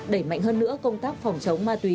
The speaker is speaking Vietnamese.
đẩy mạnh hơn nữa công tác phòng chống ma túy